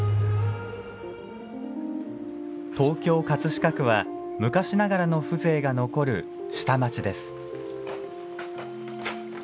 東京・葛飾区は昔ながらの風情が残る下町です。